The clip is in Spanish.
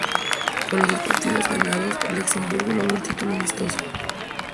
Con los dos partidos ganados, Luxemburgo logró el título amistoso.